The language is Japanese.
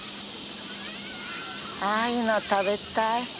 ああいうの食べたい。